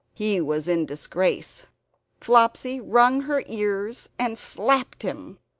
He was in disgrace; Flopsy wrung her ears, and slapped him.